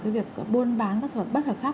việc buôn bán các sản phẩm bất hợp pháp